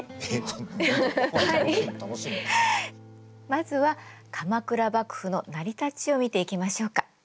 まずは鎌倉幕府の成り立ちを見ていきましょうか。